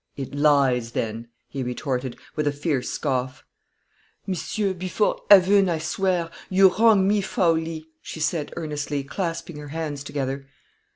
"It lies, then," he retorted, with a fierce scoff. "Monsieur, before heaven I swear, you wrong me foully," she said, earnestly, clasping her hands together.